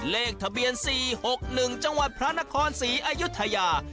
เลขทะเบียน๔๖๑จังหวัดพระนครศรีอายุทยา